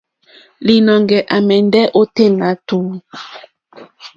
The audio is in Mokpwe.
Līnɔ̄ŋgɛ̄ à mɛ̀ndɛ́ ôténá tùú.